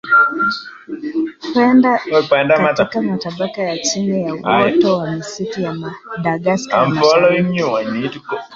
Huenda katika matabaka ya chini ya uoto wa misitu ya Madagaska ya Mashariki.